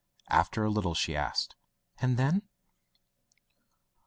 After a little she asked: "And then?''